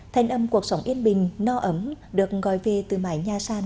thành âm cuộc sống yên bình no ấm được gọi về từ mái nhà sàn